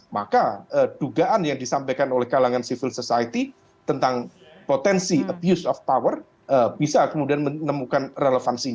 maka dugaan yang disampaikan oleh kalangan civil society tentang potensi abuse of power bisa kemudian menemukan relevansi